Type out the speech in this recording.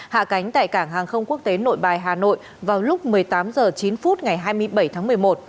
hạ cánh tại cảng hàng không quốc tế nội bài hà nội vào lúc một mươi tám h chín ngày hai mươi bảy tháng một mươi một